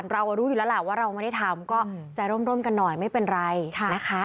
เรารู้อยู่แล้วล่ะว่าเราไม่ได้ทำก็ใจร่มกันหน่อยไม่เป็นไรนะคะ